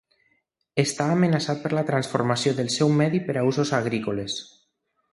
Està amenaçat per la transformació del seu medi per a usos agrícoles.